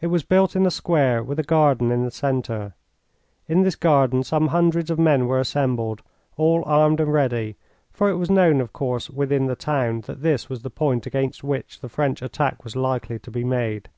It was built in a square with a garden in the centre. In this garden some hundreds of men were assembled, all armed and ready, for it was known, of course, within the town that this was the point against which the French attack was likely to be made.